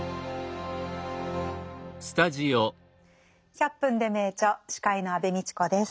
「１００分ｄｅ名著」司会の安部みちこです。